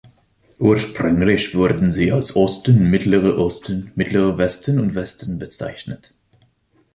Ursprünglich wurden sie als Osten, Mittlerer Osten, Mittlerer Westen und Westen bezeichnet.